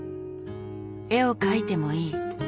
「絵を描いてもいい」。